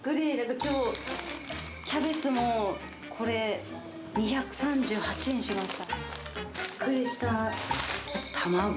きょうキャベツもこれ、２３８円しました。